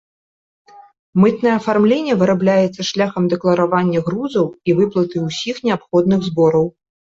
Мытнае афармленне вырабляецца шляхам дэкларавання грузаў і выплаты ўсіх неабходных збораў.